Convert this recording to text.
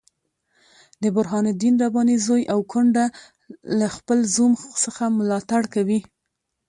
د برهان الدین رباني زوی او کونډه له خپل زوم څخه ملاتړ کوي.